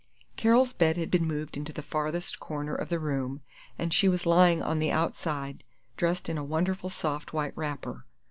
Carol's bed had been moved into the farthest corner of the room, and she was lying on the outside, dressed in a wonderful soft white wrapper.